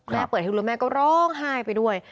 เปิดฮึกแล้วแม่ก็ร้องไห้ไปด้วย